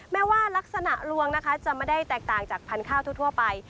แม้ว่าลักษณะลวงนะคะจะไม่ได้แตกต่างจากพันธุ์ข้าวทั่วไป